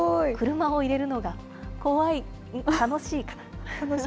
車を入れるのが怖い、楽しいかな？